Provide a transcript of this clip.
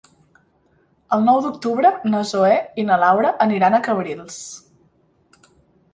El nou d'octubre na Zoè i na Laura aniran a Cabrils.